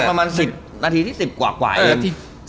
ประมาณ๑๐นาทีที่๑๐กว่าเอง